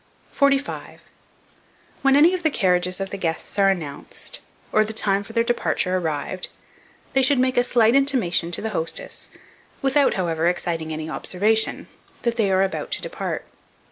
45. WHEN ANY OF THE CARRIAGES OF THE GUESTS ARE ANNOUNCED, or the time for their departure arrived, they should make a slight intimation to the hostess, without, however, exciting any observation, that they are about to depart.